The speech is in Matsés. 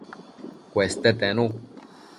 Cueste tenu